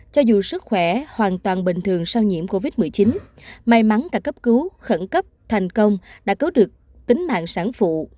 cho dù sức khỏe hoàn toàn bình thường sau nhiễm covid một mươi chín may mắn cả cấp cứu khẩn cấp thành công đã cứu được tính mạng sản phụ